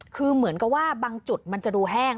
คือเหมือนกับว่าบางจุดมันจะดูแห้ง